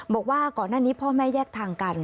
บอกว่าก่อนหน้านี้พ่อแม่แยกทางกัน